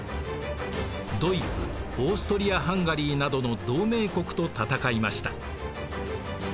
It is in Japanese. ドイツオーストリア・ハンガリーなどの同盟国と戦いました。